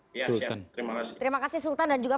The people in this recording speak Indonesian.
terima kasih terima kasih sultan dan juga